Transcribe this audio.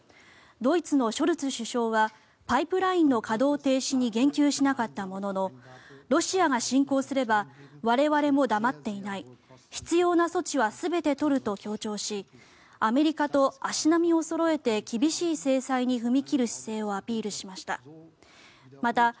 ドイツのショルツ首相はパイプラインの稼働停止に言及しなかったもののロシアが侵攻すれば我々も黙っていない必要な措置は全て取ると強調しアメリカと足並みをそろえて厳しい制裁に踏み切る姿勢をアピールしました。